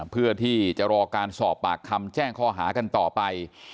เพื่อที่จะรอการสอบปากคำแจ้งข้อหากันต่อไป